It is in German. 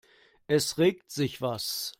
Es regt sich was.